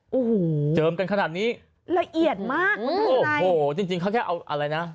โอ้โหเจิมกันขนาดนี้ละเอียดมากคุณดูโอ้โหจริงจริงเขาแค่เอาอะไรนะ